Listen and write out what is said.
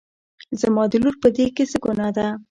زما د لور په دې کې څه ګناه ده